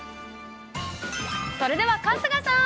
◆それでは、春日さーん。